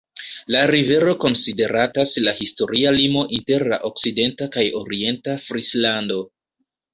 La rivero konsideratas la historia limo inter la okcidenta kaj orienta Frislando.